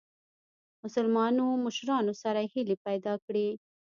مسلمانو مشرانو سره هیلي پیدا کړې.